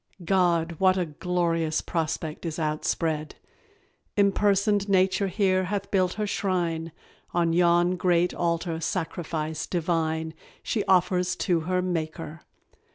God, what a glorious prospect is outspread! Impersoned nature here hath built her shrine: On yon great altar sacrifice divine She offers to her Maker.